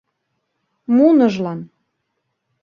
Муныжлан.